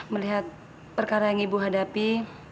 melihat perkara yang ibu hadapi